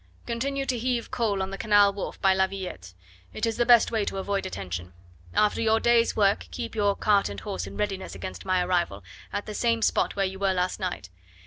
"Continue to heave coal on the canal wharf by La Villette; it is the best way to avoid attention. After your day's work keep your cart and horse in readiness against my arrival, at the same spot where you were last night.